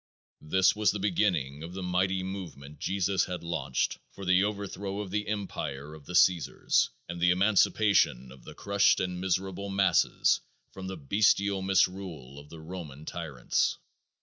This was the beginning of the mighty movement Jesus had launched for the overthrow of the empire of the Caesars and the emancipation of the crushed and miserable masses from the bestial misrule of the Roman tyrants.